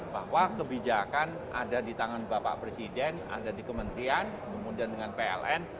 bahwa kebijakan ada di tangan bapak presiden ada di kementerian kemudian dengan pln